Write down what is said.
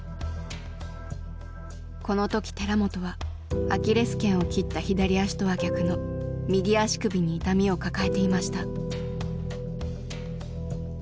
この時寺本はアキレス腱を切った左足とは逆の右足首に痛みを抱えていました。